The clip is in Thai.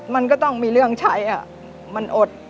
มันก็ต้องมีเรื่องใช้มันอด